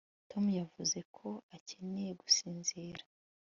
tom yavuze ko akeneye gusinzira